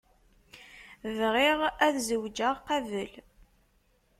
Bɣiɣ ad zweǧeɣ qabel.